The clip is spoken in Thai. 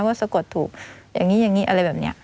ว่าสะกดถูกอย่างนี้อะไรแบบนี้